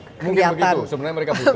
mungkin begitu sebenarnya mereka butuh